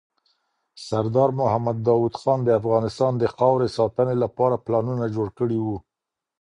سردار محمد داود خان د افغانستان د خاورې ساتنې لپاره پلانونه جوړ کړي وو.